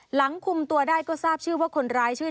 หลังคุมตัวได้ก็ทราบชื่อว่าคนร้ายชื่อ